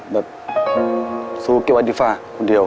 แบบสู้เกวดศรีฟาคนเดียว